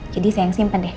jadi saya yang simpen deh